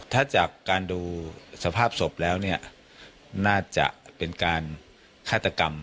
ถ้าจากการดูสภาพศพแล้วเนี่ยน่าจะเป็นการฆาตกรรม